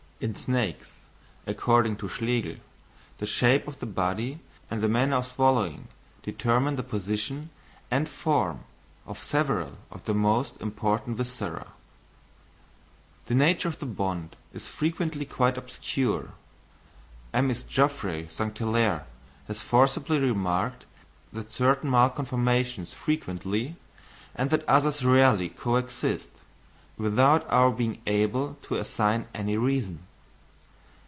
In snakes, according to Schlegel, the shape of the body and the manner of swallowing determine the position and form of several of the most important viscera. The nature of the bond is frequently quite obscure. M. Is. Geoffroy St. Hilaire has forcibly remarked that certain malconformations frequently, and that others rarely, coexist without our being able to assign any reason.